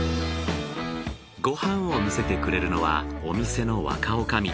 ご飯を見せてくれるのはお店の若おかみ。